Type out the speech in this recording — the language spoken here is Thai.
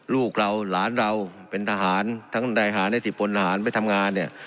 ลูกเราหลานเราเป็นทหารทั้งนายหารในสิบพลทหารไปทำงานเนี่ย